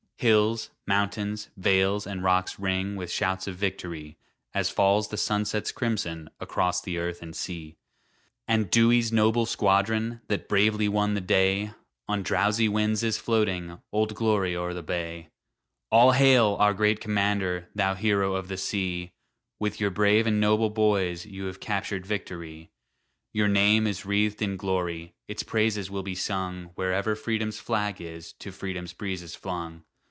Hills, mountains, vales, and rocks ring With shouts of victory, As falls the sunset's crimson Across the earth and sea. And Dewey's noble squadron, That bravely won the day, On drowsy winds is floating "Old Glory" o'er the bay. All hail! our great commander, Thou hero of the sea, With your brave and noble boys you Have captured victory. Your name is wreathed in glory, Its praises will be sung Wherever Freedom's flag is To Freedom's breezes flung.